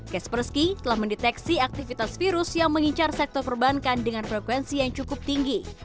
kaspersky telah mendeteksi aktivitas virus yang mengincar sektor perbankan dengan frekuensi yang cukup tinggi